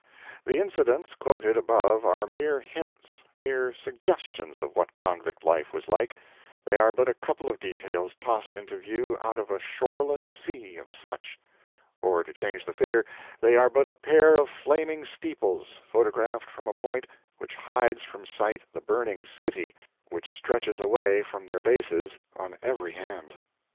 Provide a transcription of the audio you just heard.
The incidents quoted above are mere hints, mere suggestions of what convict life was like they are but a couple of details tossed into view out of a shoreless sea of such; or, to change the figure, they are but a pair of flaming steeples photographed from a point which hides from sight the burning city which stretches away from their bases on every hand.